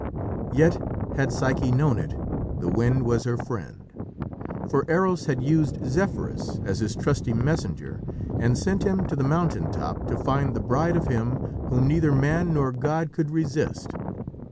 Yet, had Psyche known it, the wind was her friend. For Eros had used Zephyrus as his trusty messenger and sent him to the mountain top to find the bride of him "whom neither man nor god could resist."